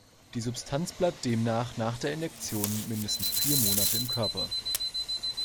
Die Substanz bleibt demnach nach der Injektion mindestens vier Monate im Körper.